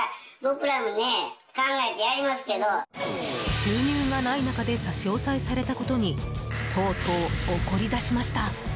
収入がない中で差し押さえされたことにとうとう怒り出しました。